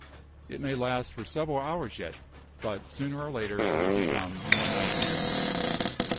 It may last for several hours yet, but sooner or later it will become normal again."